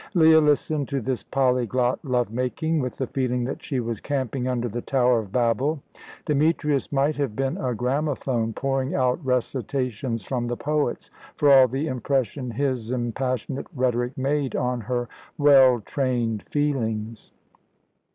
Leah listened to this polyglot love making with the feeling that she was camping under the tower of Babel. Demetrius might have been a gramophone, pouring out recitations from the poets, for all the impression his impassionate rhetoric made on her well trained feelings.